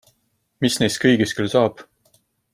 Mis neist kõigist küll saab?